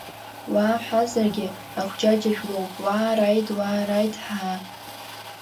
Уаа, ҳәазаргьы ахәџьаџьа жәлоуп, уаа, рааид, уаа рааид, ҳаа!